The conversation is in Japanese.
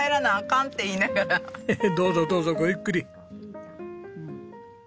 どうぞどうぞごゆっくり。